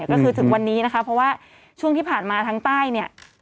ก็คือถึงวันนี้นะคะเพราะว่าช่วงที่ผ่านมาทางใต้เนี่ย